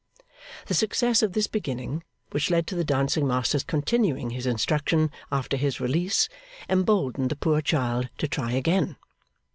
The success of this beginning, which led to the dancing master's continuing his instruction after his release, emboldened the poor child to try again.